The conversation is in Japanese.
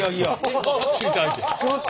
ちょっと！